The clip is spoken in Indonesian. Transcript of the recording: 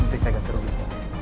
mesti saya ganti rupiah